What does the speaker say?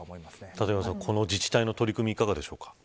立岩さん、この自治体の取り組みいかがですか。